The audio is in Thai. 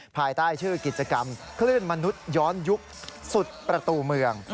ภายใต้ชื่อกิจกรรมคลื่นมนุษย้อนยุคสุดประตูเมือง